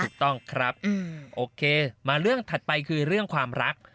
ถูกต้องครับโอเคมาเรื่องถัดไปคือเรื่องความรัก